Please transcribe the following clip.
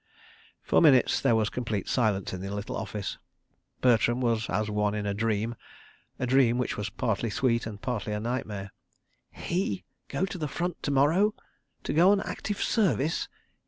For minutes there was complete silence in the little office. Bertram was as one in a dream—a dream which was partly sweet and partly a nightmare. He to go to the Front to morrow? To go on Active Service?